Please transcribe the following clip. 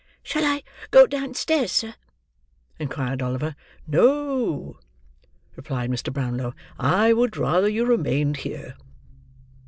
"Shall I go downstairs, sir?" inquired Oliver. "No," replied Mr. Brownlow, "I would rather you remained here."